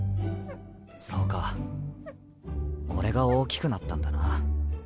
そうか俺が大きくなったんだな。